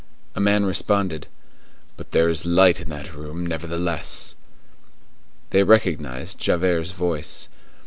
A man responded:— "But there is a light in that room, nevertheless." They recognized Javert's voice.